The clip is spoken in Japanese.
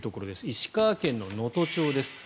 石川県能登町です。